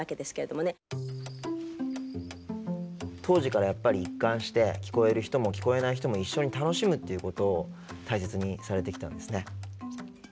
当時からやっぱり一貫して聞こえる人も聞こえない人も一緒に楽しむっていうことを大切にされてきたんですね。